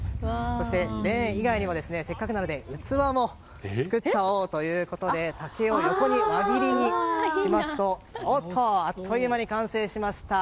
そして、レーン以外にもせっかくなので器も作っちゃおうということで竹を横に輪切りにしますとあっという間に完成しました！